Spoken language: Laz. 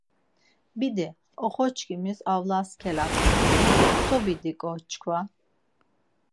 Bidi, oxorçkimiş avlas kelapxedi. So bidiǩo çkva!